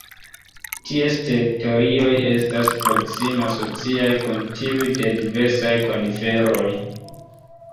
Ties teritorioj estas proksime asociaj kun tiuj de diversaj koniferoj.